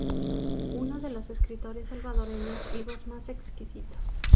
Uno de los escritores salvadoreños vivos más exquisitos.